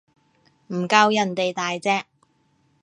唔夠人哋大隻